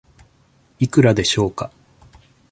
いくらでしょうか。